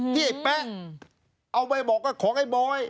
ไอ้แป๊ะเอาไปบอกว่าของไอ้บอย